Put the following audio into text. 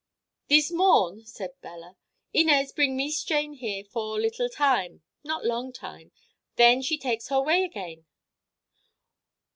"Thees morn," said Bella, "Inez bring Mees Jane here for little time—not long time. Then she takes her 'way again."